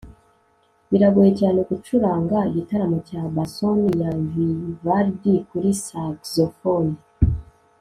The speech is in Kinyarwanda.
biragoye cyane gucuranga igitaramo cya bassoon ya vivaldi kuri saxofone